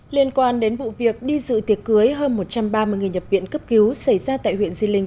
liên quan đến vụ việc đi dự tiệc cưới hơn một trăm ba mươi người nhập viện cấp cứu xảy ra tại huyện di linh